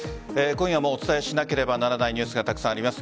今夜もお伝えしなければならないニュースがたくさんあります。